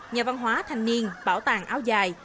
nhà văn hóa thành niên bảo tàng áo dài